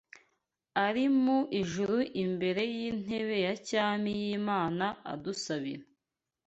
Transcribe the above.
ari mu ijuru imbere y’intebe ya cyami y’Imana adusabira.